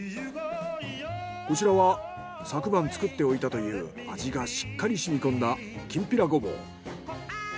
こちらは昨晩作っておいたという味がしっかり染み込んだきんぴらゴボウ。